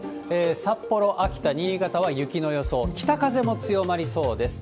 札幌、秋田、新潟は雪の予想、北風も強まりそうです。